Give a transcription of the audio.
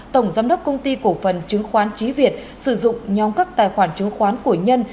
tổng giám đốc công ty cổ phần chứng khoán trí việt sử dụng nhóm các tài khoản chứng khoán của nhân